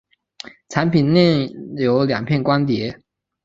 产品内有两片光碟。